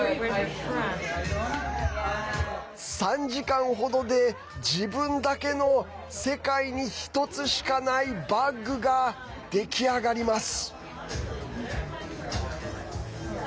３時間程で、自分だけの世界に一つしかないバッグが出来上がります。